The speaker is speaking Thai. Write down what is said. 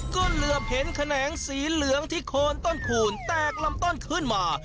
ก็เหลือบเห็นแขนงสีเหลืองที่โคนต้นคูณแตกลำต้นขึ้นมา